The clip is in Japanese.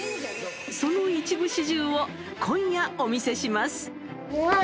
その一部始終を今夜お見せします。